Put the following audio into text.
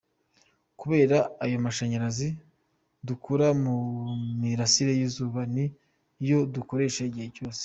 Kubera ko aya mashanyarazi dukura ku mirasire y’izuba, ni yo dukoresha igihe cyose.